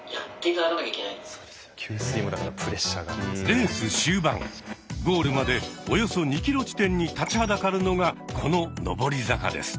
レース終盤ゴールまでおよそ２ｋｍ地点に立ちはだかるのがこの上り坂です。